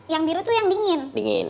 yang biru itu yang dingin dingin